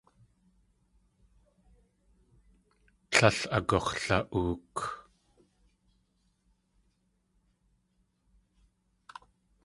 Tlél agux̲la.ook.